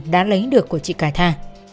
đã lấy được của chị cải tha